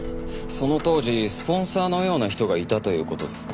その当時スポンサーのような人がいたという事ですか？